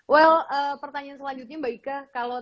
well pertanyaan selanjutnya mbak ika kalau